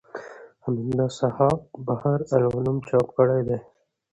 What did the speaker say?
حمدالله صحاف بحر الملوم چاپ کړی دﺉ.